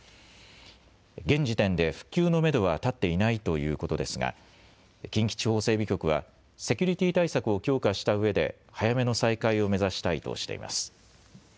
現時点で復旧のめどは立っていないということですが近畿地方整備局はセキュリティー対策を強化したうえで早めの再開を目指したいとしています。